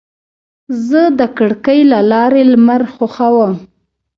زه د کړکۍ له لارې لمر خوښوم.